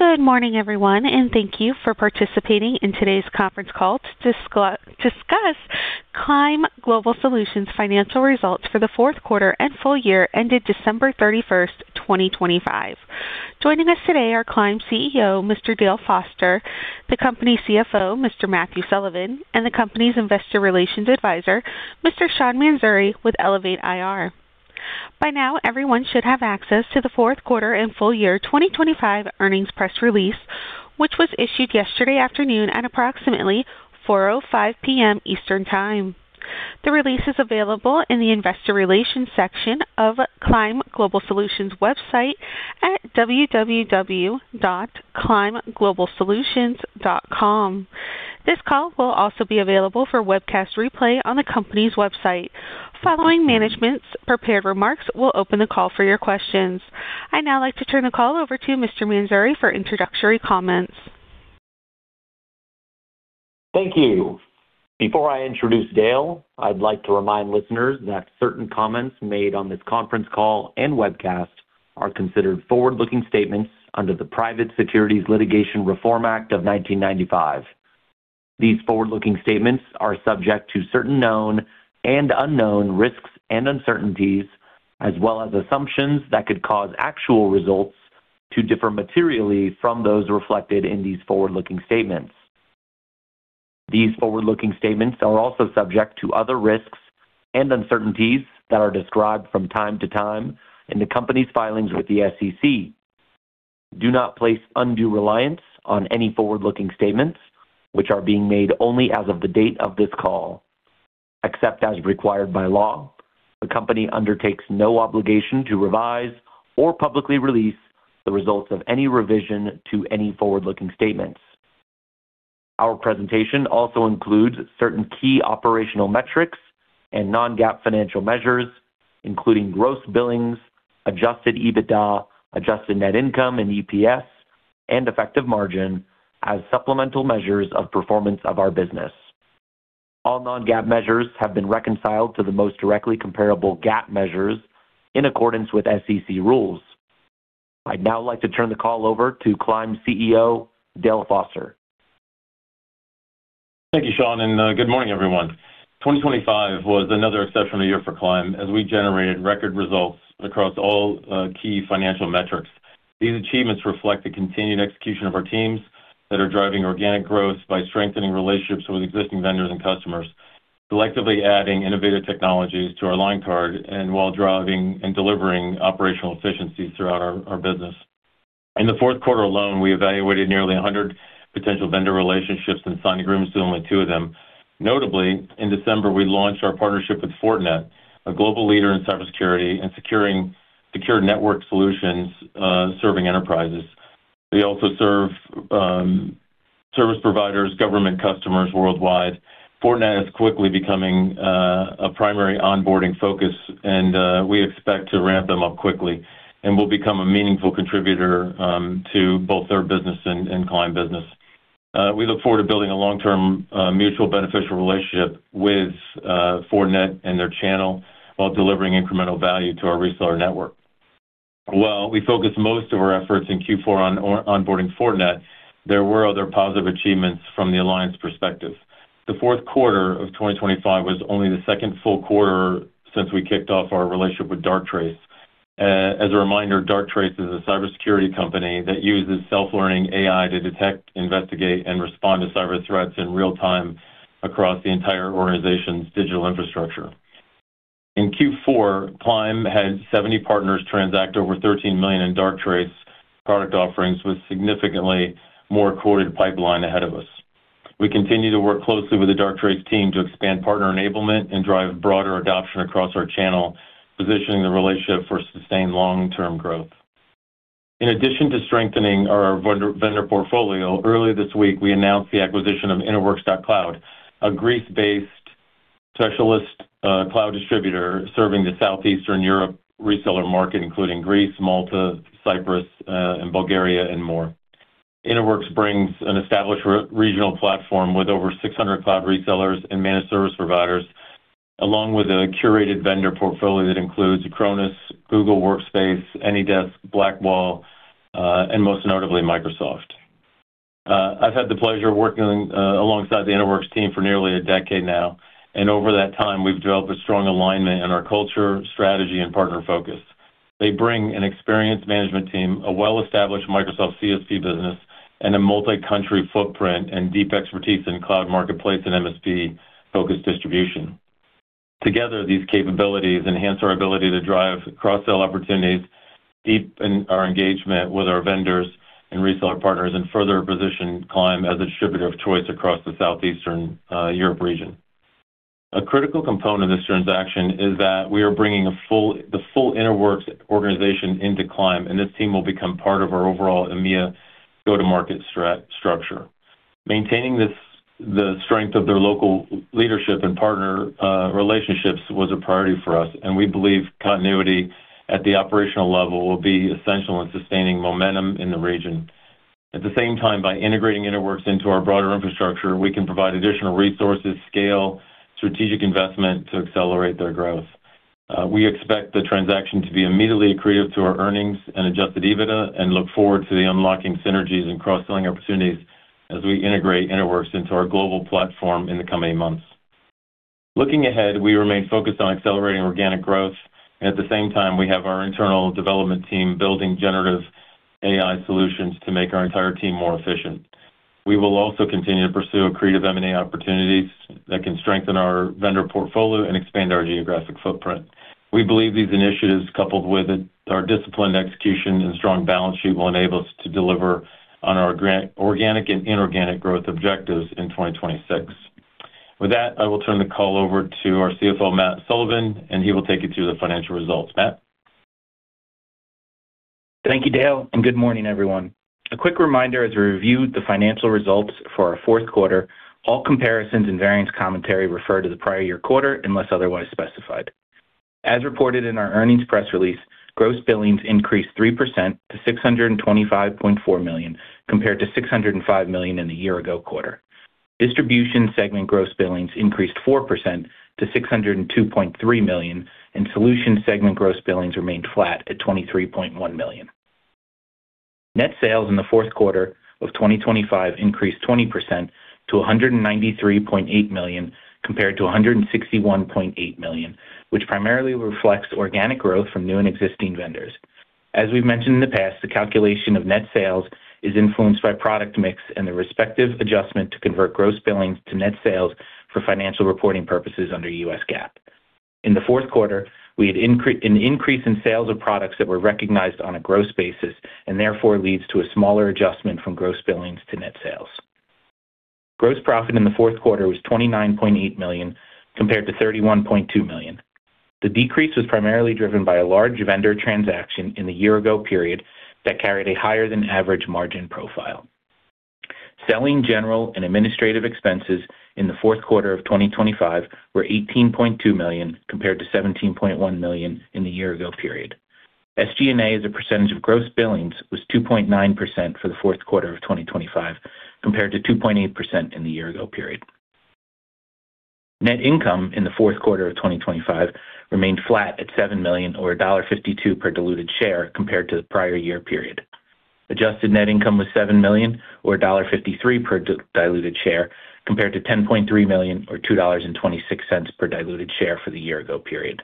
Good morning, everyone, and thank you for participating in today's conference call to discuss Climb Global Solutions' financial results for the Q4 and full year ended December 31st, 2025. Joining us today are Climb CEO, Mr. Dale Foster, the company's CFO, Mr. Matthew Sullivan, and the company's Investor Relations Advisor, Mr. Sean Mansouri, with Elevate IR. By now, everyone should have access to the Q4 and full year 2025 earnings press release, which was issued yesterday afternoon at approximately 4:05 P.M. Eastern Time. The release is available in the Investor Relations section of Climb Global Solutions' website at www.climbglobalsolutions.com. This call will also be available for webcast replay on the company's website. Following management's prepared remarks, we'll open the call for your questions. I'd now like to turn the call over to Mr. Mansouri for introductory comments. Thank you. Before I introduce Dale, I'd like to remind listeners that certain comments made on this conference call and webcast are considered forward-looking statements under the Private Securities Litigation Reform Act of 1995. These forward-looking statements are subject to certain known and unknown risks and uncertainties, as well as assumptions that could cause actual results to differ materially from those reflected in these forward-looking statements. These forward-looking statements are also subject to other risks and uncertainties that are described from time to time in the company's filings with the SEC. Do not place undue reliance on any forward-looking statements, which are being made only as of the date of this call. Except as required by law, the company undertakes no obligation to revise or publicly release the results of any revision to any forward-looking statements. Our presentation also includes certain key operational metrics and non-GAAP financial measures, including gross billings, Adjusted EBITDA, adjusted net income and EPS, and effective margin as supplemental measures of performance of our business. All non-GAAP measures have been reconciled to the most directly comparable GAAP measures in accordance with SEC rules. I'd now like to turn the call over to Climb CEO, Dale Foster. Thank you, Sean, and good morning, everyone. 2025 was another exceptional year for Climb as we generated record results across all key financial metrics. These achievements reflect the continued execution of our teams that are driving organic growth by strengthening relationships with existing vendors and customers, selectively adding innovative technologies to our line card and while driving and delivering operational efficiencies throughout our business. In the Q4 alone, we evaluated nearly 100 potential vendor relationships and signed agreements to only two of them. Notably, in December, we launched our partnership with Fortinet, a global leader in cybersecurity and securing secure network solutions, serving enterprises. They also serve service providers, government customers worldwide. Fortinet is quickly becoming a primary onboarding focus, and we expect to ramp them up quickly and will become a meaningful contributor to both their business and Climb business. We look forward to building a long-term, mutual beneficial relationship with Fortinet and their channel while delivering incremental value to our reseller network. Well, we focused most of our efforts in Q4 on onboarding Fortinet. There were other positive achievements from the alliance perspective. The Q4 of 2025 was only the second full quarter since we kicked off our relationship with Darktrace. As a reminder, Darktrace is a cybersecurity company that uses self-learning AI to detect, investigate, and respond to cyber threats in real time across the entire organization's digital infrastructure. In Q4, Climb had 70 partners transact over $13 million in Darktrace product offerings, with significantly more recorded pipeline ahead of us. We continue to work closely with the Darktrace team to expand partner enablement and drive broader adoption across our channel, positioning the relationship for sustained long-term growth. In addition to strengthening our vendor portfolio, earlier this week, we announced the acquisition of interworks.cloud, a Greece-based specialist cloud distributor serving the Southeastern Europe reseller market, including Greece, Malta, Cyprus, and Bulgaria, and more. Interworks brings an established regional platform with over 600 cloud resellers and managed service providers, along with a curated vendor portfolio that includes Acronis, Google Workspace, AnyDesk, Blackwall, and most notably, Microsoft. I've had the pleasure of working alongside the Interworks team for nearly a decade now, and over that time, we've developed a strong alignment in our culture, strategy, and partner focus. They bring an experienced management team, a well-established Microsoft CSP business, and a multi-country footprint and deep expertise in cloud marketplace and MSP-focused distribution. Together, these capabilities enhance our ability to drive cross-sell opportunities, deepen our engagement with our vendors and reseller partners, and further position Climb as a distributor of choice across the Southeastern Europe region. A critical component of this transaction is that we are bringing the full Interworks organization into Climb, and this team will become part of our overall EMEA go-to-market strat structure. Maintaining this, the strength of their local leadership and partner relationships was a priority for us, and we believe continuity at the operational level will be essential in sustaining momentum in the region. At the same time, by integrating Interworks into our broader infrastructure, we can provide additional resources, scale, strategic investment to accelerate their growth. We expect the transaction to be immediately accretive to our earnings and Adjusted EBITDA, and look forward to the unlocking synergies and cross-selling opportunities as we integrate InterWorks into our global platform in the coming months. Looking ahead, we remain focused on accelerating organic growth. At the same time, we have our internal development team building generative AI solutions to make our entire team more efficient. We will also continue to pursue accretive M&A opportunities that can strengthen our vendor portfolio and expand our geographic footprint. We believe these initiatives, coupled with our disciplined execution and strong balance sheet, will enable us to deliver on our organic and inorganic growth objectives in 2026. With that, I will turn the call over to our CFO, Matt Sullivan, and he will take you through the financial results. Matt? Thank you, Dale. Good morning, everyone. A quick reminder as we review the financial results for our Q4, all comparisons and variance commentary refer to the prior year quarter, unless otherwise specified. As reported in our earnings press release, gross billings increased 3% to $625.4 million, compared to $605 million in the year ago quarter. Distribution segment gross billings increased 4% to $602.3 million. Solution segment gross billings remained flat at $23.1 million. Net sales in the Q4 of 2025 increased 20% to $193.8 million, compared to $161.8 million, which primarily reflects organic growth from new and existing vendors. As we've mentioned in the past, the calculation of net sales is influenced by product mix and the respective adjustment to convert gross billings to net sales for financial reporting purposes under U.S. GAAP. In the Q4, we had an increase in sales of products that were recognized on a gross basis, and therefore leads to a smaller adjustment from gross billings to net sales. Gross profit in the Q4 was $29.8 million, compared to $31.2 million. The decrease was primarily driven by a large vendor transaction in the year ago period that carried a higher than average margin profile. Selling, general, and administrative expenses in the Q4 of 2025 were $18.2 million, compared to $17.1 million in the year ago period. SG&A, as a percentage of gross billings, was 2.9% for the Q4 of 2025, compared to 2.8% in the year ago period. Net income in the Q4 of 2025 remained flat at $7 million, or $1.52 per diluted share, compared to the prior year period. Adjusted net income was $7 million, or $1.53 per diluted share, compared to $10.3 million, or $2.26 per diluted share for the year ago period.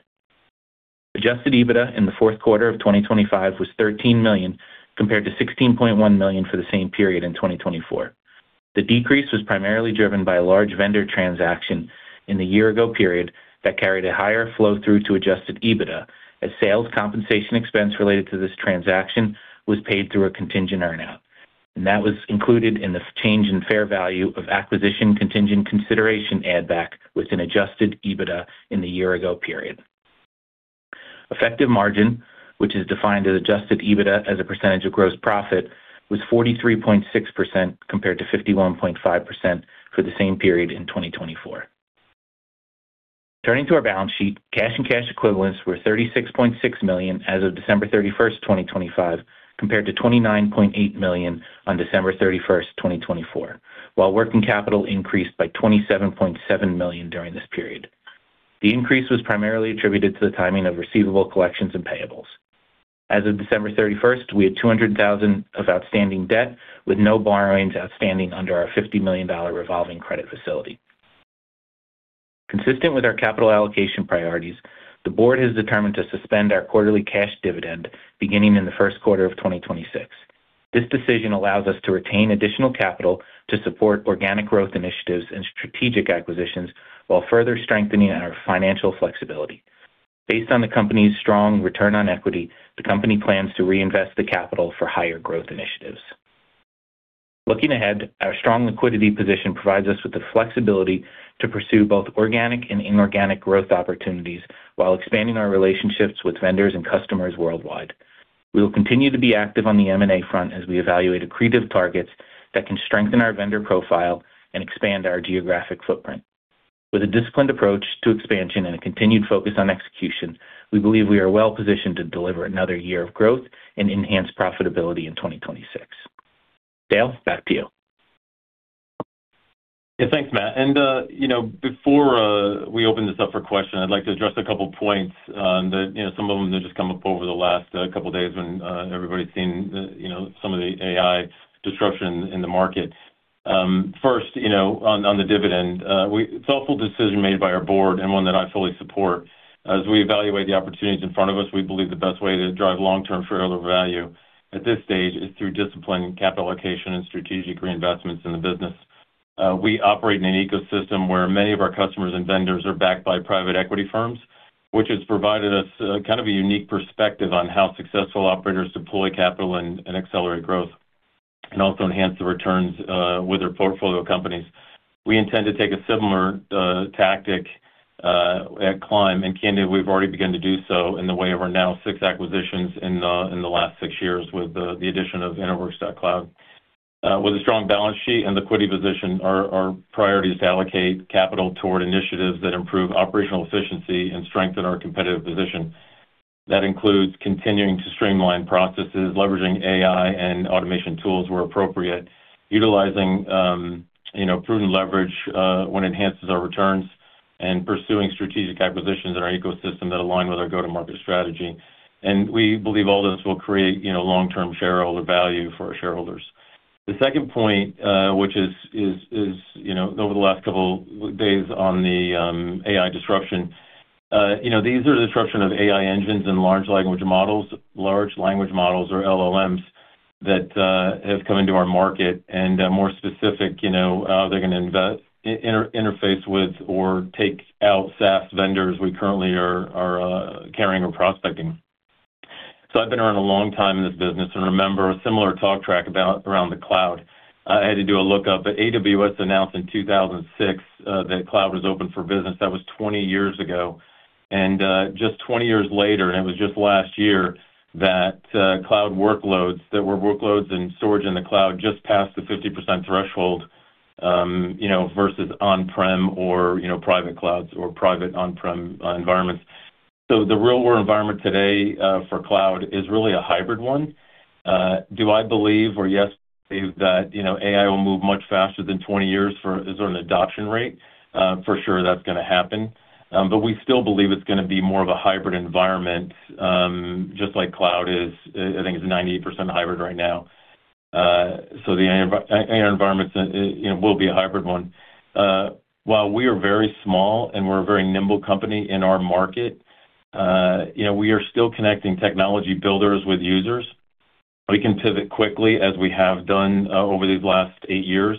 Adjusted EBITDA in the Q4 of 2025 was $13 million, compared to $16.1 million for the same period in 2024. The decrease was primarily driven by a large vendor transaction in the year-ago period that carried a higher flow-through to Adjusted EBITDA, as sales compensation expense related to this transaction was paid through a contingent earn-out. That was included in the change in fair value of acquisition contingent consideration add back with an Adjusted EBITDA in the year-ago period. Effective margin, which is defined as Adjusted EBITDA as a % of gross profit, was 43.6%, compared to 51.5% for the same period in 2024. Turning to our balance sheet, cash and cash equivalents were $36.6 million as of December 31st, 2025, compared to $29.8 million on December 31st, 2024, while working capital increased by $27.7 million during this period. The increase was primarily attributed to the timing of receivable collections and payables. As of December 31st, we had $200,000 of outstanding debt, with no borrowings outstanding under our $50 million revolving credit facility. Consistent with our capital allocation priorities, the board has determined to suspend our quarterly cash dividend beginning in the Q1 of 2026. This decision allows us to retain additional capital to support organic growth initiatives and strategic acquisitions, while further strengthening our financial flexibility. Based on the company's strong return on equity, the company plans to reinvest the capital for higher growth initiatives. Looking ahead, our strong liquidity position provides us with the flexibility to pursue both organic and inorganic growth opportunities while expanding our relationships with vendors and customers worldwide. We will continue to be active on the M&A front as we evaluate accretive targets that can strengthen our vendor profile and expand our geographic footprint. With a disciplined approach to expansion and a continued focus on execution, we believe we are well positioned to deliver another year of growth and enhanced profitability in 2026. Dale, back to you. Yeah, thanks, Matt. You know, before we open this up for questions, I'd like to address a couple of points, that, you know, some of them that just come up over the last couple of days when everybody's seen, you know, some of the AI disruption in the market. First, you know, on the dividend, it's a thoughtful decision made by our board and one that I fully support. As we evaluate the opportunities in front of us, we believe the best way to drive long-term shareholder value at this stage is through disciplined capital allocation and strategic reinvestments in the business. We operate in an ecosystem where many of our customers and vendors are backed by private equity firms, which has provided us a kind of a unique perspective on how successful operators deploy capital and accelerate growth, and also enhance the returns with their portfolio companies. We intend to take a similar tactic at Climb, and candidly, we've already begun to do so in the way of our now six acquisitions in the last six years with the addition of interworks.cloud. With a strong balance sheet and liquidity position, our priority is to allocate capital toward initiatives that improve operational efficiency and strengthen our competitive position. That includes continuing to streamline processes, leveraging AI and automation tools where appropriate, utilizing, you know, prudent leverage when enhances our returns, and pursuing strategic acquisitions in our ecosystem that align with our go-to-market strategy. We believe all this will create, you know, long-term shareholder value for our shareholders. The second point, which is, you know, over the last couple days on the AI disruption, you know, these are the disruption of AI engines and large language models. Large language models or LLMs that have come into our market, and more specific, you know, they're going to interface with or take out SaaS vendors we currently are carrying or prospecting. I've been around a long time in this business and remember a similar talk track about, around the cloud. I had to do a lookup. AWS announced in 2006 that cloud was open for business. That was 20 years ago. Just 20 years later, it was just last year that cloud workloads that were workloads and storage in the cloud just passed the 50% threshold, you know, versus on-prem or, you know, private clouds or private on-prem environments. The real world environment today for cloud is really a hybrid one. Do I believe or yes, believe that, you know, AI will move much faster than 20 years for... Is there an adoption rate? For sure, that's gonna happen. We still believe it's gonna be more of a hybrid environment, just like cloud is, I think, 98% hybrid right now. The AI environment, you know, will be a hybrid one. While we are very small and we're a very nimble company in our market, you know, we are still connecting technology builders with users. We can pivot quickly, as we have done, over these last eight years.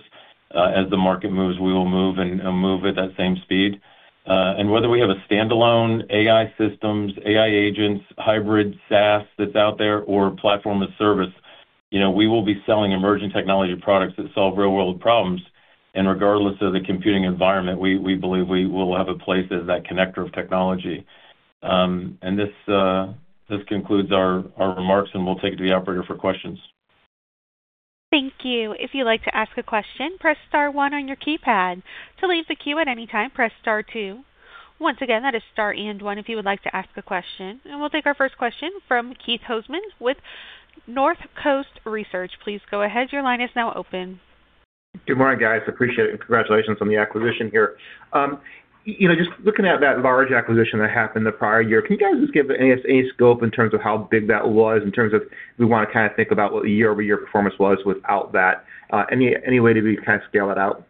As the market moves, we will move and move at that same speed. Whether we have a standalone AI systems, AI agents, hybrid SaaS that's out there, or platform as a service, you know, we will be selling emerging technology products that solve real-world problems, and regardless of the computing environment, we believe we will have a place as that connector of technology. This concludes our remarks, and we'll take it to the operator for questions. Thank you. If you'd like to ask a question, press star one on your keypad. To leave the queue at any time, press star two. Once again, that is star and one if you would like to ask a question. We'll take our first question from Keith Housum with Northcoast Research. Please go ahead. Your line is now open. Good morning, guys. Appreciate it, and congratulations on the acquisition here. You know, just looking at that large acquisition that happened the prior year, can you guys just give us any scope in terms of how big that was, in terms of we want to kind of think about what the year-over-year performance was without that? Any way that we can kind of scale it out?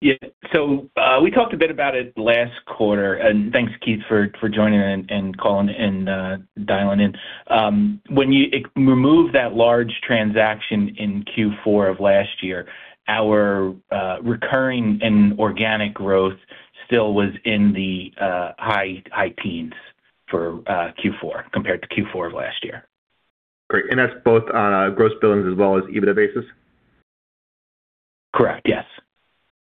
Yeah. We talked a bit about it last quarter, and thanks, Keith, for joining and calling and dialing in. When you remove that large transaction in Q4 of last year, our recurring and organic growth still was in the high teens for Q4 compared to Q4 of last year. Great. That's both on a gross billings as well as EBITDA basis? Correct, yes.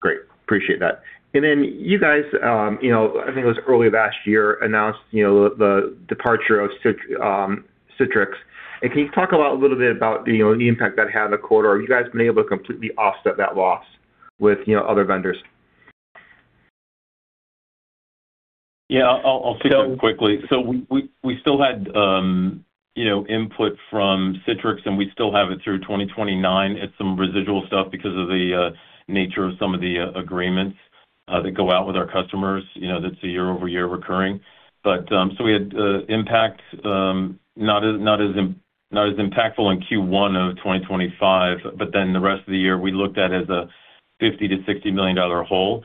Great. Appreciate that. You guys, you know, I think it was early last year, announced, you know, the departure of Citrix. Can you talk a lot, little bit about, you know, the impact that had on the quarter, or you guys been able to completely offset that loss with, you know, other vendors? Yeah, I'll speak quickly. We still had, you know, input from Citrix, and we still have it through 2029. It's some residual stuff because of the nature of some of the agreements that go out with our customers, you know, that's a year-over-year recurring. We had impact, not as impactful in Q1 of 2025, but then the rest of the year, we looked at as a $50 million-$60 million hole.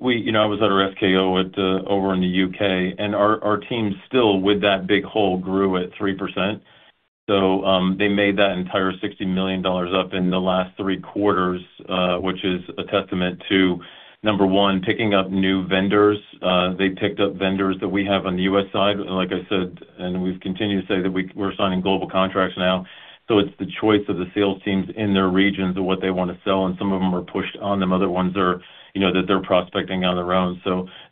We, you know, I was at our FKO over in the UK, and our team still, with that big hole, grew at 3%. They made that entire $60 million up in the last three quarters, which is a testament to, number one, picking up new vendors. They picked up vendors that we have on the U.S. side. Like I said, and we've continued to say that we're signing global contracts now. It's the choice of the sales teams in their regions of what they want to sell, and some of them are pushed on them, other ones are, you know, that they're prospecting on their own.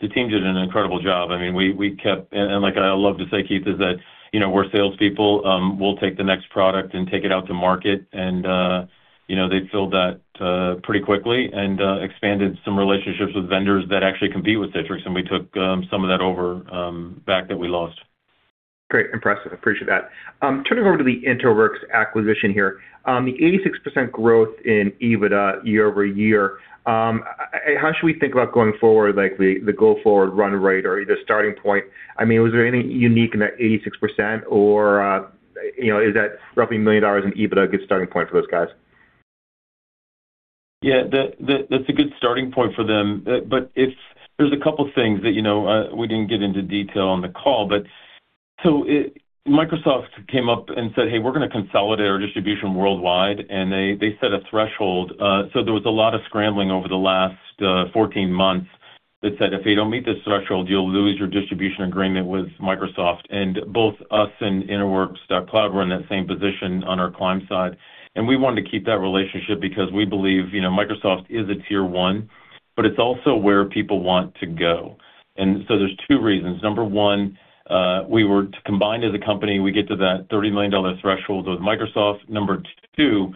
The team did an incredible job. I mean, we kept. Like I love to say, Keith, is that, you know, we're salespeople. We'll take the next product and take it out to market, and you know, they filled that pretty quickly and expanded some relationships with vendors that actually compete with Citrix, and we took some of that over back that we lost. Great. Impressive. Appreciate that. Turning over to the Interworks acquisition here, the 86% growth in EBITDA year-over-year, how should we think about going forward, like the go-forward run rate or the starting point? I mean, was there anything unique in that 86%, or, is that roughly $1 million in EBITDA a good starting point for those guys? Yeah, that's a good starting point for them. There's a couple of things that, you know, we didn't get into detail on the call, but Microsoft came up and said, "Hey, we're gonna consolidate our distribution worldwide," and they set a threshold. So there was a lot of scrambling over the last 14 months that said, "If you don't meet this threshold, you'll lose your distribution agreement with Microsoft." Both us and interworks.cloud were in that same position on our Climb side. We wanted to keep that relationship because we believe, you know, Microsoft is a tier one, but it's also where people want to go. There's two reasons. Number one, we were to combine as a company, we get to that $30 million threshold with Microsoft. Number two.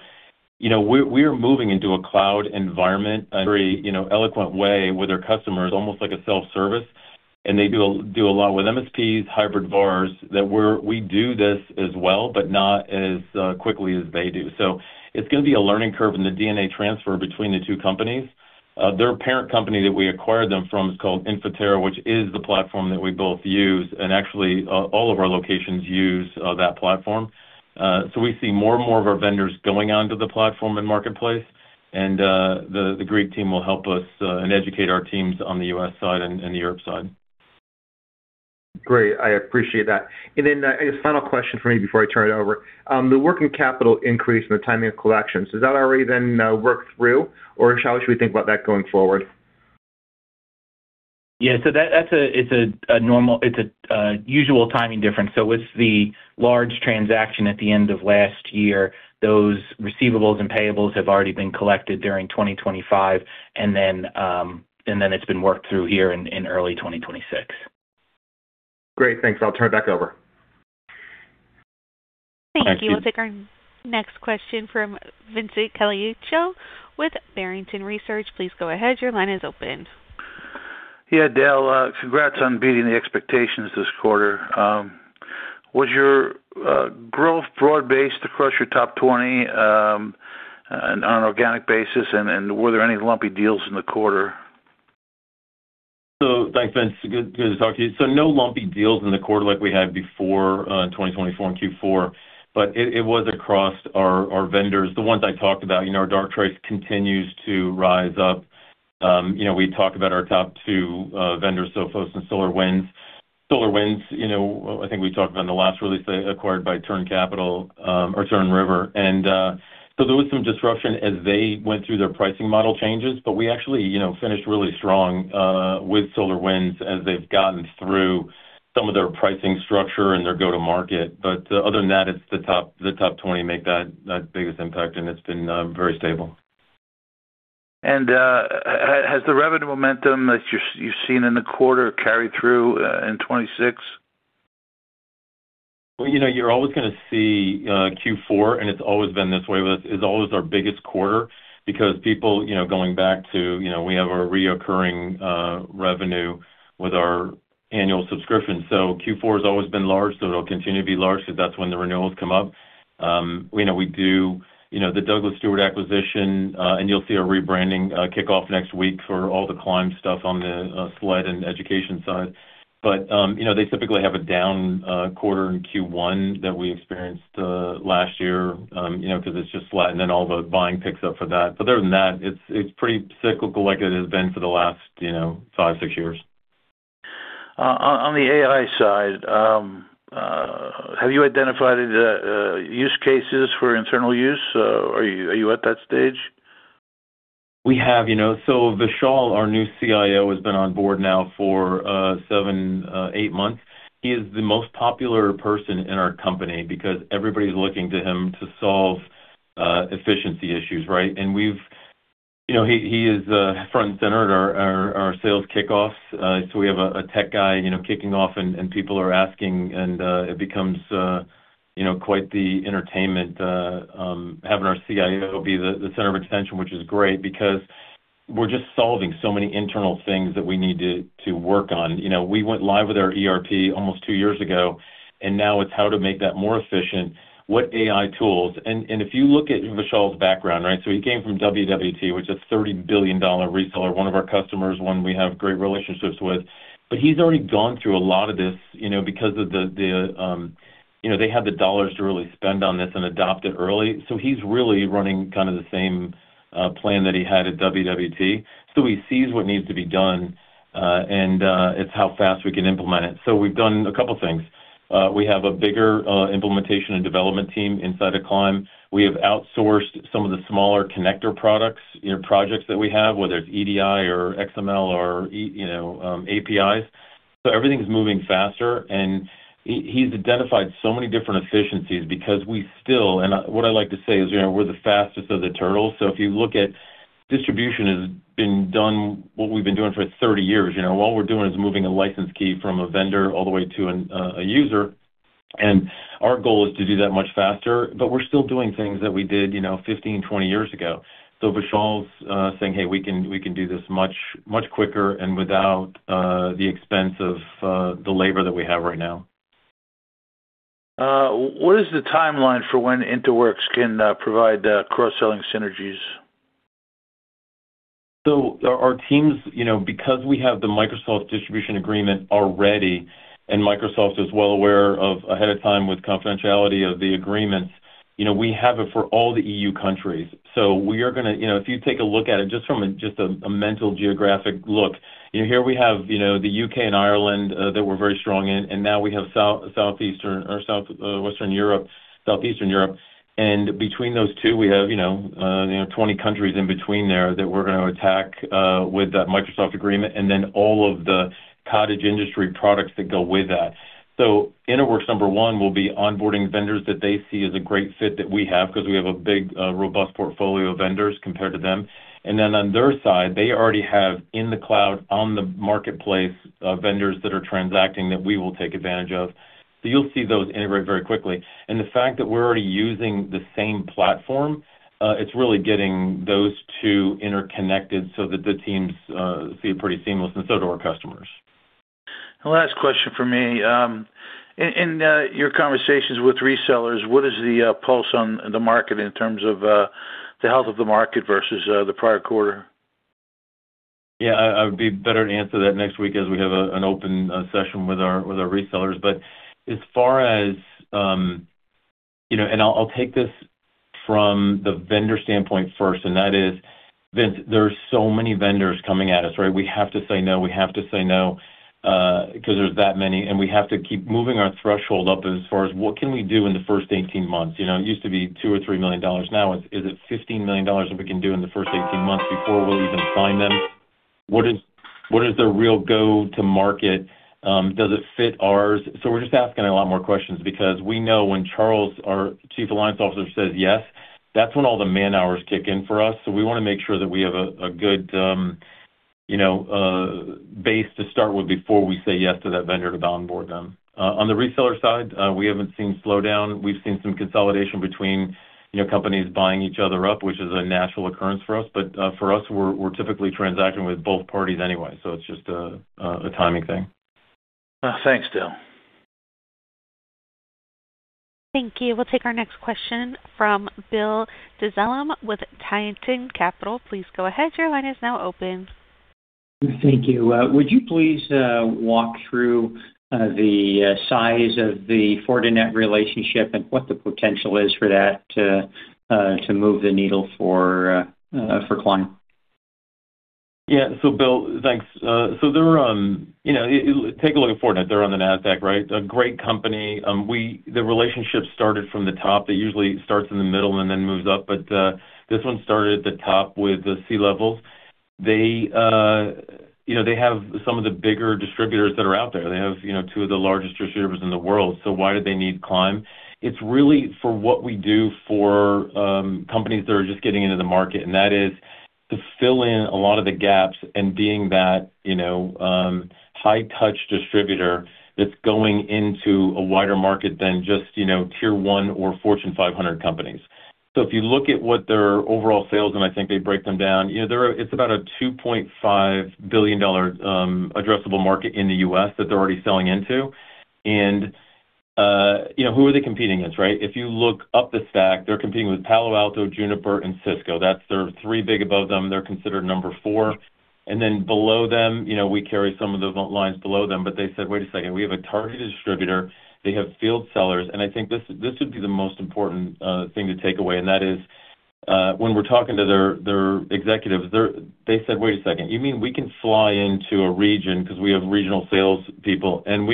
You know, we are moving into a cloud environment, a very, you know, eloquent way with our customers, almost like a self-service, and they do a lot with MSPs, hybrid VARs, that we do this as well, but not as quickly as they do. It's gonna be a learning curve in the DNA transfer between the two companies. Their parent company that we acquired them from is called Infoterra, which is the platform that we both use, and actually, all of our locations use that platform. We see more and more of our vendors going onto the platform and marketplace, and the great team will help us and educate our teams on the U.S. side and the Europe side. Great. I appreciate that. A final question for me before I turn it over. The working capital increase and the timing of collections, is that already then worked through, or how should we think about that going forward? Yeah, that's a normal. It's a usual timing difference. With the large transaction at the end of last year, those receivables and payables have already been collected during 2025, and then it's been worked through here in early 2026. Great, thanks. I'll turn it back over. Thank you. Thank you. I'll take our next question from Vincent Colicchio with Barrington Research. Please go ahead. Your line is open. Yeah, Dale, congrats on beating the expectations this quarter. Was your growth broad-based across your top 20, and on an organic basis, and were there any lumpy deals in the quarter? Thanks, Vince. Good, good to talk to you. No lumpy deals in the quarter like we had before in 2024 in Q4, but it was across our vendors, the ones I talked about. You know, our Darktrace continues to rise up. You know, we talked about our top two vendors, Sophos and SolarWinds. SolarWinds, you know, I think we talked about in the last release, they acquired by Turn Capital or Turn/River. There was some disruption as they went through their pricing model changes, but we actually, you know, finished really strong with SolarWinds as they've gotten through some of their pricing structure and their go-to-market. Other than that, it's the top 20 make that biggest impact, and it's been very stable. Has the revenue momentum that you've seen in the quarter carry through in 2026? Well, you know, you're always gonna see, Q4, and it's always been this way with us. It's always our biggest quarter because people, you know, going back to, you know, we have our reoccurring revenue with our annual subscription. Q4 has always been large, so it'll continue to be large because that's when the renewals come up. We know we do, you know, the Douglas Stewart acquisition, and you'll see a rebranding kickoff next week for all the Climb stuff on the SLED and education side. They typically have a down quarter in Q1 that we experienced last year, you know, because it's just flat, and then all the buying picks up for that. Other than that, it's pretty cyclical, like it has been for the last, you know, five, six years. On the AI side, have you identified the use cases for internal use? Are you at that stage? We have, you know, Vishal, our new CIO, has been on board now for seven, eight months. He is the most popular person in our company because everybody's looking to him to solve efficiency issues, right? You know, he is front and center at our Sales Kick-Offs. We have a tech guy, you know, kicking off, and people are asking, it becomes, you know, quite the entertainment having our CIO be the center of attention, which is great because we're just solving so many internal things that we need to work on. You know, we went live with our ERP almost two years ago, now it's how to make that more efficient, what AI tools... If you look at Vishal's background, right? He came from WWT, which is a $30 billion reseller, one of our customers, one we have great relationships with. He's already gone through a lot of this, you know, because of the, you know, they had the dollars to really spend on this and adopt it early. He's really running kind of the same plan that he had at WWT. He sees what needs to be done, and it's how fast we can implement it. We've done a couple of things. We have a bigger implementation and development team inside of Climb. We have outsourced some of the smaller connector products, you know, projects that we have, whether it's EDI or XML or, you know, APIs. Everything is moving faster, and he's identified so many different efficiencies because we still, and what I like to say is, you know, we're the fastest of the turtles. If you look at distribution has been done, what we've been doing for 30 years, you know, all we're doing is moving a license key from a vendor all the way to a user, and our goal is to do that much faster, but we're still doing things that we did, you know, 15, 20 years ago. Vishal's saying, "Hey, we can, we can do this much, much quicker and without the expense of the labor that we have right now. What is the timeline for when Interworks can provide cross-selling synergies? Our teams, you know, because we have the Microsoft distribution agreement already, and Microsoft is well aware of ahead of time with confidentiality of the agreements, you know, we have it for all the E.U. countries. We are gonna, you know, if you take a look at it, just from a, just a mental geographic look, you know, here we have, you know, the U.K. and Ireland that we're very strong in, and now we have Southeastern or Southwestern Europe, Southeastern Europe, and between those two, we have, you know, 20 countries in between there that we're gonna attack with that Microsoft agreement, and then all of the cottage industry products that go with that. Interworks, number one, will be onboarding vendors that they see as a great fit that we have because we have a big, robust portfolio of vendors compared to them. On their side, they already have in the cloud, on the marketplace, vendors that are transacting that we will take advantage of. You'll see those integrate very quickly. The fact that we're already using the same platform, it's really getting those two interconnected so that the teams see it pretty seamless and so do our customers. The last question for me. In your conversations with resellers, what is the pulse on the market in terms of the health of the market versus the prior quarter? Yeah, I would be better to answer that next week as we have an open session with our resellers. As far as, you know, I'll take this from the vendor standpoint first, and that is, Vince, there are so many vendors coming at us, right? We have to say no, we have to say no, 'cause there's that many, and we have to keep moving our threshold up as far as what can we do in the first 18 months. You know, it used to be $2 million or $3 million. Now, is it $15 million that we can do in the first 18 months before we'll even sign them? What is the real go-to-market? Does it fit ours? We're just asking a lot more questions because we know when Charles, our Chief Alliances Officer, says yes, that's when all the man-hours kick in for us. We wanna make sure that we have a good, you know, base to start with before we say yes to that vendor to onboard them. On the reseller side, we haven't seen slowdown. We've seen some consolidation between, you know, companies buying each other up, which is a natural occurrence for us. For us, we're typically transacting with both parties anyway, so it's just a timing thing. Thanks, Dale. Thank you. We'll take our next question from Bill Dezellem with Tieton Capital. Please go ahead. Your line is now open. Thank you. Would you please walk through the size of the Fortinet relationship and what the potential is for that to move the needle for Climb? Yeah. Bill, thanks. They're, you know, take a look at Fortinet. They're on the Nasdaq, right? A great company. The relationship started from the top. It usually starts in the middle and then moves up, but this one started at the top with the C-levels. They, you know, they have some of the bigger distributors that are out there. They have, you know, two of the largest distributors in the world, why do they need Climb? It's really for what we do for companies that are just getting into the market, and that is to fill in a lot of the gaps and being that, you know, high-touch distributor that's going into a wider market than just, you know, tier one or Fortune 500 companies. If you look at what their overall sales, I think they break them down, you know, it's about a $2.5 billion addressable market in the U.S. that they're already selling into. You know, who are they competing against, right? If you look up the stack, they're competing with Palo Alto, Juniper, and Cisco. That's their three big above them. They're considered number four. Then below them, you know, we carry some of those lines below them. They said, "Wait a second, we have a targeted distributor." They have field sellers. I think this would be the most important thing to take away. That is, when we're talking to their executives, they said, "Wait a second, you mean we can fly into a region 'cause we have regional sales people, and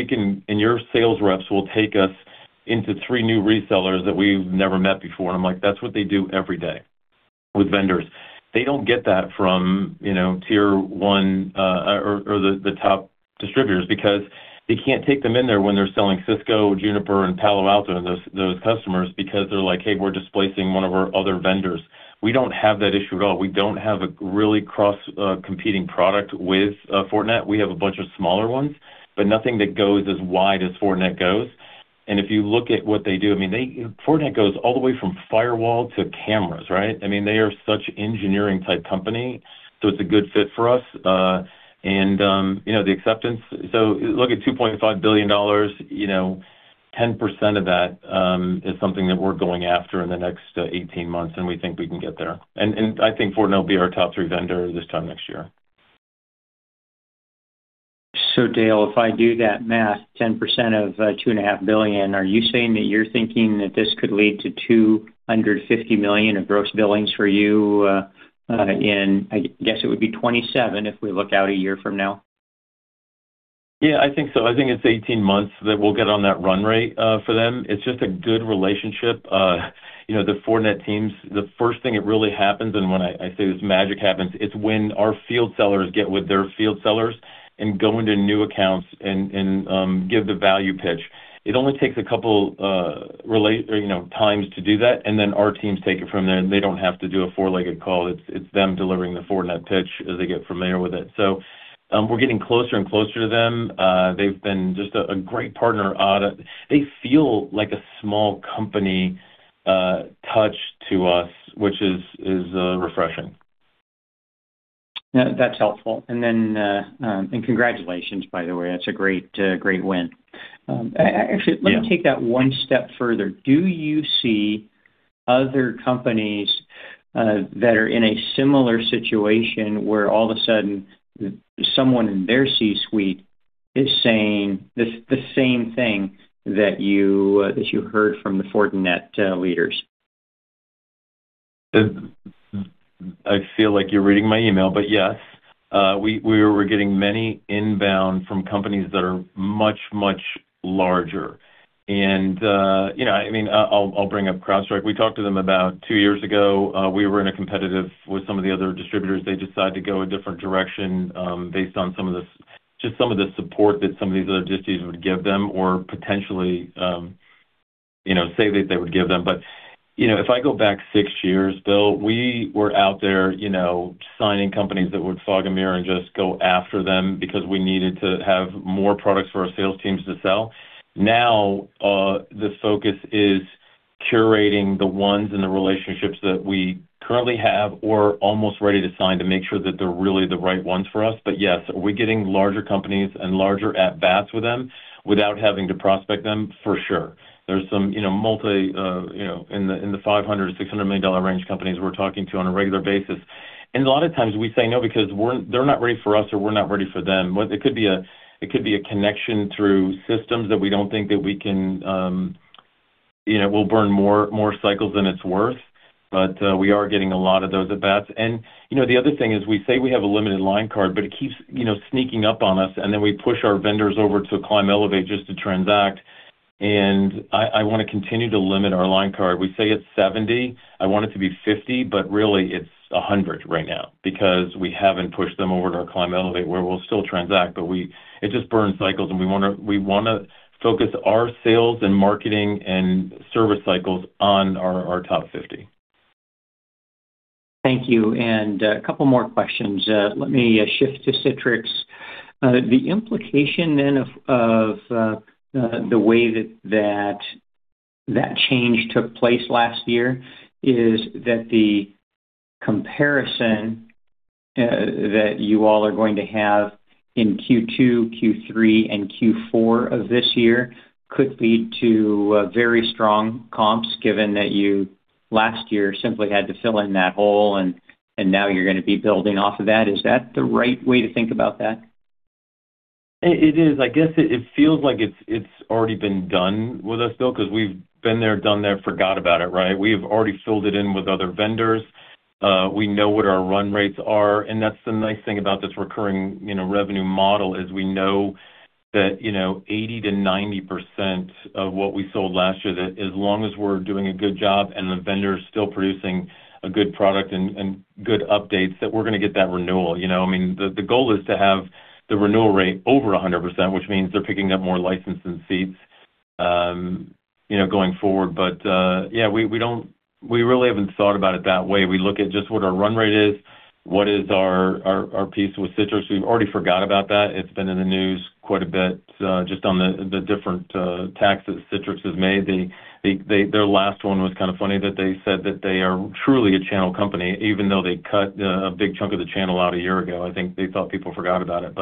your sales reps will take us into three new resellers that we've never met before?" I'm like: That's what they do every day with vendors. They don't get that from, you know, tier one, or the top distributors because they can't take them in there when they're selling Cisco, Juniper, and Palo Alto, and those customers, because they're like, "Hey, we're displacing one of our other vendors." We don't have that issue at all. We don't have a really cross competing product with Fortinet. We have a bunch of smaller ones, but nothing that goes as wide as Fortinet goes. If you look at what they do, I mean, Fortinet goes all the way from firewall to cameras, right? I mean, they are such engineering-type company, so it's a good fit for us. You know, look at $2.5 billion, you know, 10% of that, is something that we're going after in the next 18 months, and we think we can get there. I think Fortinet will be our top three vendor this time next year. Dale, if I do that math, 10% of $2.5 billion, are you saying that you're thinking that this could lead to $250 million in gross billings for you, in, I guess it would be 2027 if we look out a year from now? Yeah, I think so. I think it's 18 months that we'll get on that run rate for them. It's just a good relationship. You know, the Fortinet teams, the first thing it really happens, and when I say this magic happens, it's when our field sellers get with their field sellers and go into new accounts and give the value pitch. It only takes a couple, you know, times to do that, and then our teams take it from there, and they don't have to do a 4-legged call. It's them delivering the Fortinet pitch as they get familiar with it. We're getting closer and closer to them. They've been just a great partner, they feel like a small company touch to us, which is refreshing. Yeah, that's helpful. Then, congratulations, by the way. That's a great win. Actually, let me take that one step further. Do you see other companies that are in a similar situation, where all of a sudden someone in their C-suite is saying the same thing that you heard from the Fortinet leaders? I feel like you're reading my email, but yes, we're getting many inbound from companies that are much, much larger. You know, I mean, I'll bring up CrowdStrike. We talked to them about two years ago. We were in a competitive with some of the other distributors. They decided to go a different direction, based on just some of the support that some of these other distributors would give them or potentially, you know, say that they would give them. You know, if I go back six years, Bill, we were out there, you know, signing companies that would fog a mirror and just go after them because we needed to have more products for our sales teams to sell. Now, the focus is curating the ones and the relationships that we currently have or almost ready to sign to make sure that they're really the right ones for us. Yes, are we getting larger companies and larger at-bats with them without having to prospect them? For sure. There's some, you know, multi, you know, in the, in the $500 million-$600 million range companies we're talking to on a regular basis. A lot of times we say no, because they're not ready for us or we're not ready for them. It could be a, it could be a connection through systems that we don't think that we can, you know, we'll burn more cycles than it's worth, but, we are getting a lot of those at-bats. You know, the other thing is we say we have a limited line card, but it keeps, you know, sneaking up on us, and then we push our vendors over to Climb Elevate just to transact. I want to continue to limit our line card. We say it's 70. I want it to be 50, but really, it's 100 right now because we haven't pushed them over to our Climb Elevate, where we'll still transact, but it just burns cycles, and we wanna focus our sales and marketing and service cycles on our top 50. Thank you, a couple more questions. Let me shift to Citrix. The implication then of the way that change took place last year is that the comparison that you all are going to have in Q2, Q3, and Q4 of this year could lead to very strong comps, given that you, last year, simply had to fill in that hole, and now you're gonna be building off of that. Is that the right way to think about that? It, it is. I guess it feels like it's already been done with us, Bill, because we've been there, done that, forgot about it, right? We've already filled it in with other vendors. We know what our run rates are, That's the nice thing about this recurring, you know, revenue model, is we know that, you know, 80%-90% of what we sold last year, that as long as we're doing a good job and the vendor is still producing a good product and good updates, that we're gonna get that renewal, you know. I mean, the goal is to have the renewal rate over 100%, which means they're picking up more licenses and seats, you know, going forward. Yeah, we really haven't thought about it that way. We look at just what our run rate is, what is our piece with Citrix. We've already forgot about that. It's been in the news quite a bit, just on the different taxes Citrix has made. Their last one was kind of funny, that they said that they are truly a channel company, even though they cut a big chunk of the channel out a year ago. I think they thought people forgot about it.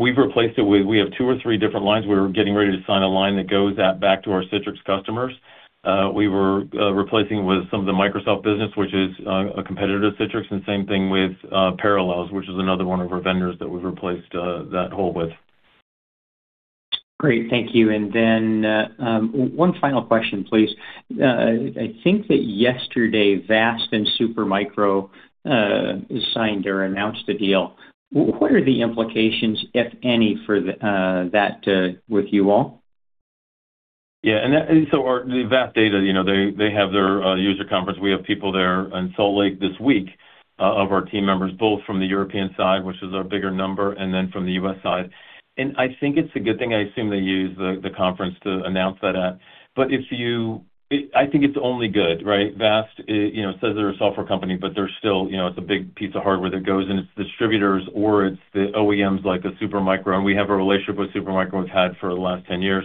We've replaced it. We have two or three different lines. We were getting ready to sign a line that goes out back to our Citrix customers. We were replacing with some of the Microsoft business, which is a competitor to Citrix, and same thing with Parallels, which is another one of our vendors that we've replaced that hole with. Great. Thank you. One final question, please. I think that yesterday, VAST and Supermicro signed or announced a deal. What are the implications, if any, for the that with you all? Our, the VAST Data, you know, they have their user conference. We have people there in Salt Lake this week, of our team members, both from the European side, which is our bigger number, and then from the U.S. side. I think it's a good thing. I assume they use the conference to announce that at. I think it's only good, right? VAST, you know, says they're a software company, but they're still, you know, it's a big piece of hardware that goes into distributors or it's the OEMs like the Supermicro. We have a relationship with Supermicro, we've had for the last 10 years.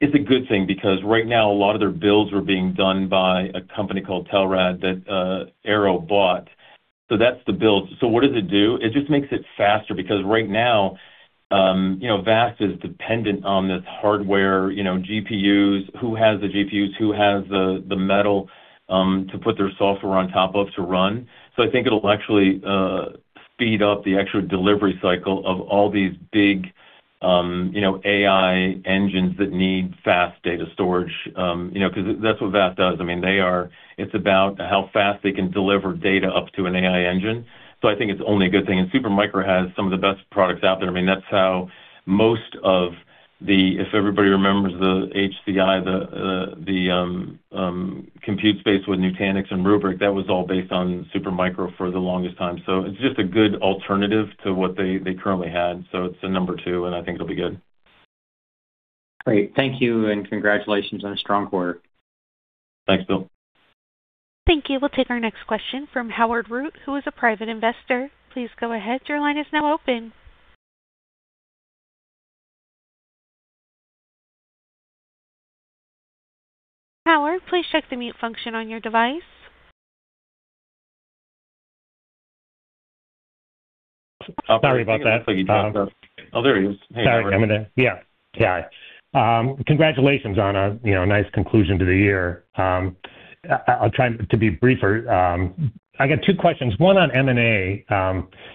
It's a good thing because right now, a lot of their builds are being done by a company called Telrad that Arrow bought. That's the build. What does it do? It just makes it faster, because right now, you know, VAST is dependent on this hardware, you know, GPUs, who has the GPUs, who has the metal to put their software on top of to run. I think it'll actually speed up the actual delivery cycle of all these big, you know, AI engines that need fast data storage. You know, because that's what VAST does. I mean, it's about how fast they can deliver data up to an AI engine. I think it's only a good thing. Supermicro has some of the best products out there. I mean, if everybody remembers the HCI, the compute space with Nutanix and Rubrik, that was all based on Supermicro for the longest time. It's just a good alternative to what they currently had. It's a number two, and I think it'll be good. Great. Thank you, and congratulations on a strong quarter. Thanks, Bill. Thank you. We'll take our next question from Howard Root, who is a Private Investor. Please go ahead. Your line is now open. Howard, please check the mute function on your device. Sorry about that. Oh, there he is. Sorry. Am I there? Yeah. Yeah, congratulations on a, you know, nice conclusion to the year. I'll try to be briefer. I got two questions, one on M&A.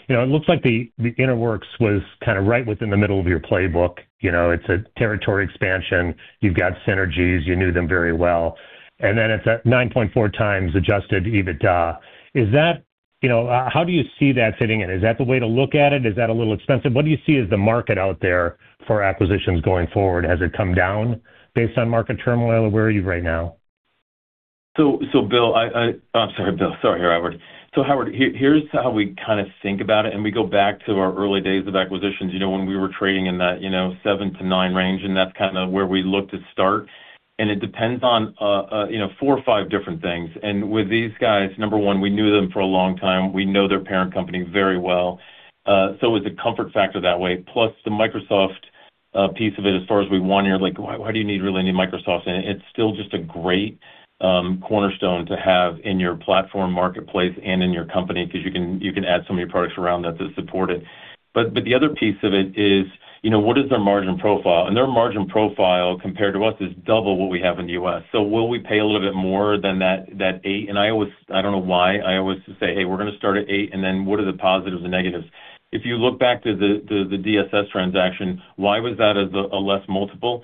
You know, it looks like the Interworks was kind of right within the middle of your playbook. You know, it's a territory expansion. You've got synergies. You knew them very well. Then it's at 9.4x Adjusted EBITDA. Is that? You know, how do you see that fitting in? Is that the way to look at it? Is that a little expensive? What do you see as the market out there for acquisitions going forward? Has it come down based on market turmoil, or where are you right now? Bill, I'm sorry, Bill. Sorry, Howard. Howard, here's how we kind of think about it, we go back to our early days of acquisitions, you know, when we were trading in that, you know, 7-9 range, and that's kind of where we looked to start. It depends on, you know, four or five different things. With these guys, number one, we knew them for a long time. We know their parent company very well. So it was a comfort factor that way. Plus, the Microsoft a piece of it as far as we want, you're like, "Why, why do you really need Microsoft?" It's still just a great cornerstone to have in your platform marketplace and in your company, because you can add so many products around that to support it. The other piece of it is, you know, what is their margin profile? Their margin profile, compared to us, is double what we have in the U.S. Will we pay a little bit more than that 8? I don't know why, I always say, "Hey, we're gonna start at eight, and then what are the positives and negatives?" If you look back to the DSS transaction, why was that as a less multiple?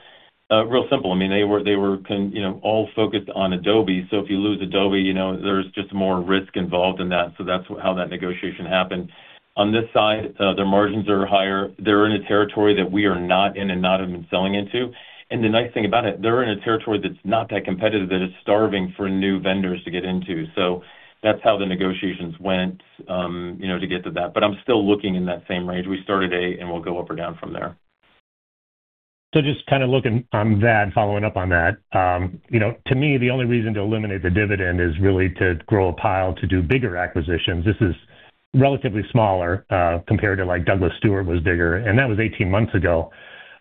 Real simple. I mean, they were, you know, all focused on Adobe. If you lose Adobe, you know, there's just more risk involved in that, so that's how that negotiation happened. On this side, their margins are higher. They're in a territory that we are not in and not even selling into. The nice thing about it, they're in a territory that's not that competitive, that is starving for new vendors to get into. That's how the negotiations went, you know, to get to that. I'm still looking in that same range. We start at eight, and we'll go up or down from there. Just kind of looking on that, following up on that, you know, to me, the only reason to eliminate the dividend is really to grow a pile to do bigger acquisitions. This is relatively smaller, compared to like Douglas Stewart was bigger, and that was 18 months ago.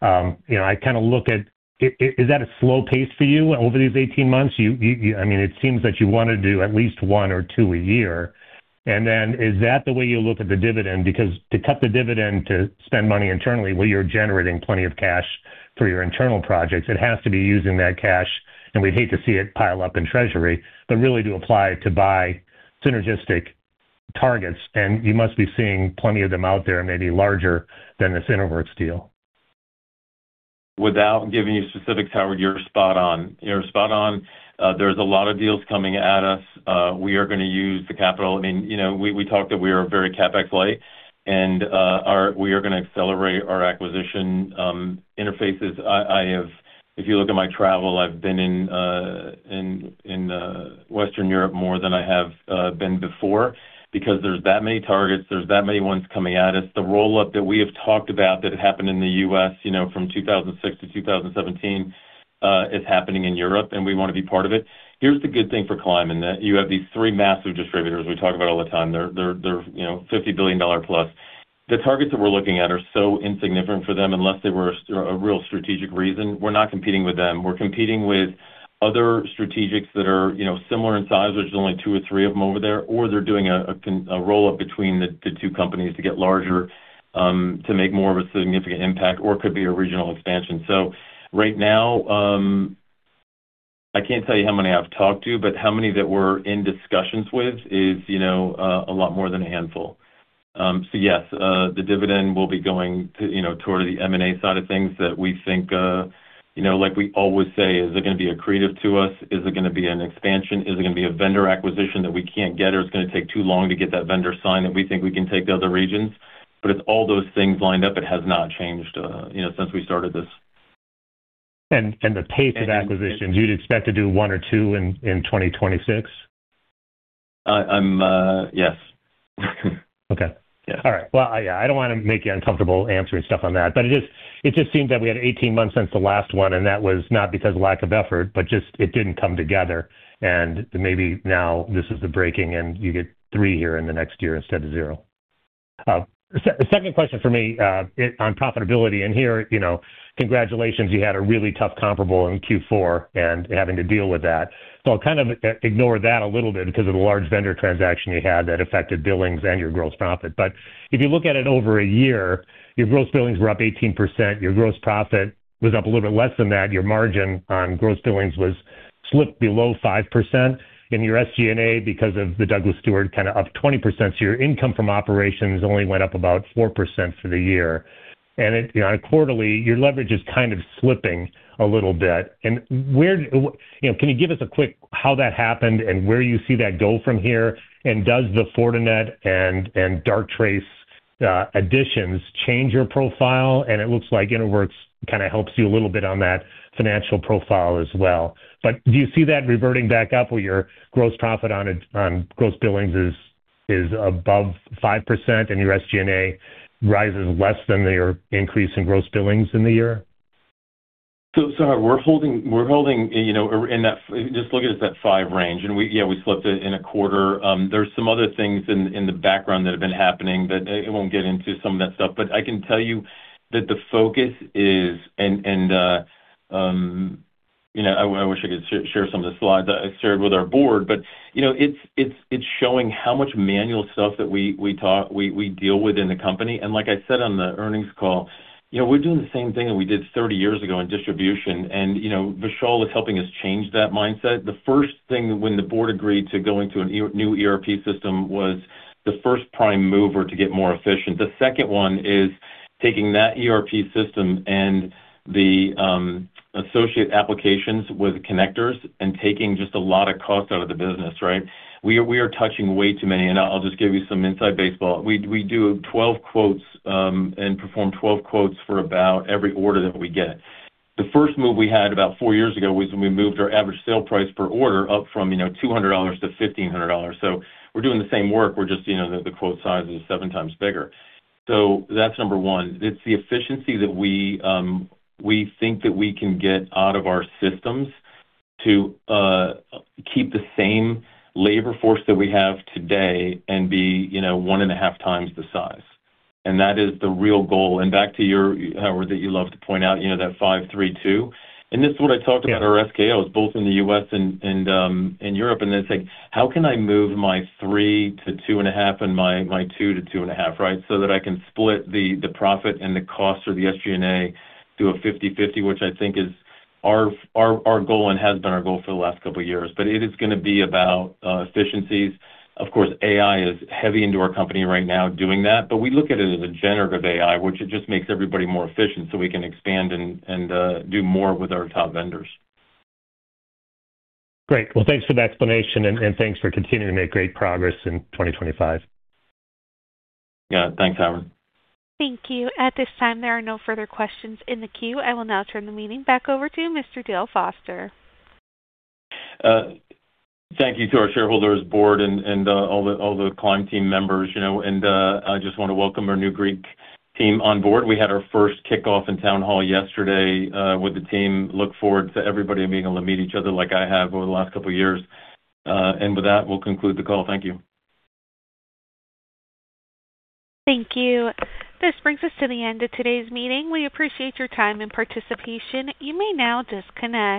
You know, I kind of look at, is that a slow pace for you over these 18 months? You I mean, it seems that you want to do at least one or two a year. Is that the way you look at the dividend? To cut the dividend, to spend money internally, well, you're generating plenty of cash for your internal projects. It has to be using that cash, and we'd hate to see it pile up in treasury, but really to apply to buy synergistic targets, and you must be seeing plenty of them out there, maybe larger than this Interworks deal. Without giving you specifics, Howard, you're spot on. You're spot on. There's a lot of deals coming at us. We are gonna use the capital. I mean, you know, we talked that we are very CapEx light, and we are gonna accelerate our acquisition interfaces. If you look at my travel, I've been in Western Europe more than I have been before, because there's that many targets, there's that many ones coming at us. The roll-up that we have talked about that happened in the U.S., you know, from 2006 to 2017, is happening in Europe, and we want to be part of it. Here's the good thing for Climb, in that you have these three massive distributors we talk about all the time. They're, you know, $50 billion plus. The targets that we're looking at are so insignificant for them, unless they were a real strategic reason. We're not competing with them. We're competing with other strategics that are, you know, similar in size, there's only two or three of them over there, or they're doing a roll-up between the two companies to get larger, to make more of a significant impact, or it could be a regional expansion. Right now, I can't tell you how many I've talked to, but how many that we're in discussions with is, you know, a lot more than a handful. Yes, the dividend will be going to, you know, toward the M&A side of things that we think. You know, like we always say, is it gonna be accretive to us? Is it gonna be an expansion? Is it gonna be a vendor acquisition that we can't get, or it's gonna take too long to get that vendor sign, that we think we can take the other regions? It's all those things lined up. It has not changed, you know, since we started this. The pace of acquisitions, you'd expect to do one or two in 2026? I'm, yes. Okay. Yeah. All right. Well, I, yeah, I don't want to make you uncomfortable answering stuff on that, but it just, it just seemed that we had 18 months since the last one, that was not because of lack of effort, but just it didn't come together. Maybe now this is the breaking, and you get three here in the next year instead of zero. Second question for me, on profitability, and here, you know, congratulations, you had a really tough comparable in Q4 and having to deal with that. I'll kind of ignore that a little bit because of the large vendor transaction you had that affected billings and your gross profit. If you look at it over a year, your gross billings were up 18%, your gross profit was up a little bit less than that. Your margin on gross billings was slipped below 5%, your SG&A, because of the Douglas Stewart, kind of up 20%. Your income from operations only went up about 4% for the year. It, you know, quarterly, your leverage is kind of slipping a little bit. Where, you know, can you give us a quick how that happened and where you see that go from here? Does the Fortinet and Darktrace additions change your profile? It looks like Innoverse kind of helps you a little bit on that financial profile as well. Do you see that reverting back up where your gross profit on gross billings is above 5% and your SG&A rises less than your increase in gross billings in the year? We're holding, you know, in that. Just look at it as that five range, and we, yeah, we slipped it in a quarter. There's some other things in the background that have been happening, but I won't get into some of that stuff. I can tell you that the focus is, and, you know, I wish I could share some of the slides that I shared with our board, but, you know, it's showing how much manual stuff that we talk, we deal with in the company. Like I said on the earnings call, you know, we're doing the same thing that we did 30 years ago in distribution, you know, Vishal is helping us change that mindset. The first thing when the board agreed to go into a new ERP system was the first prime mover to get more efficient. The second one is taking that ERP system and the associate applications with connectors and taking just a lot of cost out of the business, right? We are touching way too many, I'll just give you some inside baseball. We do 12 quotes and perform 12 quotes for about every order that we get. The first move we had about four years ago was when we moved our average sale price per order up from, you know, $200-$1,500. We're doing the same work, we're just, you know, the quote size is 7x bigger. That's number one. It's the efficiency that we think that we can get out of our systems to keep the same labor force that we have today and be, you know, 1.5x the size. That is the real goal. Back to your, Howard, that you love to point out, you know, that 532. This is what I talked about. our SKOs, both in the U.S. and in Europe. It's like, how can I move my three to 2.5 and my two to 2.5, right? That I can split the profit and the cost or the SG&A to a 50/50, which I think is our goal and has been our goal for the last couple of years. It is gonna be about efficiencies. Of course, AI is heavy into our company right now doing that. We look at it as a generative AI, which it just makes everybody more efficient, so we can expand and do more with our top vendors. Great. Well, thanks for the explanation, and thanks for continuing to make great progress in 2025. Yeah. Thanks, Howard. Thank you. At this time, there are no further questions in the queue. I will now turn the meeting back over to Mr. Dale Foster. Thank you to our shareholders board and all the Climb team members, you know, I just want to welcome our new Greek team on board. We had our first kickoff and town hall yesterday with the team. Look forward to everybody being able to meet each other like I have over the last couple of years. With that, we'll conclude the call. Thank you. Thank you. This brings us to the end of today's meeting. We appreciate your time and participation. You may now disconnect.